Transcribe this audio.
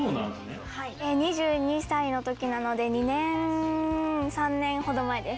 ２２歳のときなので２年、３年ほど前です。